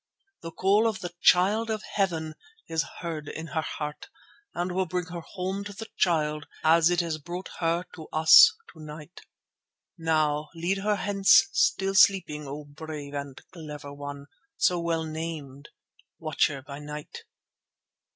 The call of the Child of Heaven is heard in her heart, and will bring her home to the Child as it has brought her to us to night. Now lead her hence still sleeping, O brave and clever one, so well named Watcher by Night."